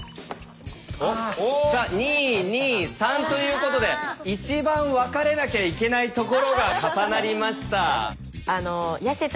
さあ「２」「２」「３」ということで一番分かれなきゃいけないところが重なりました。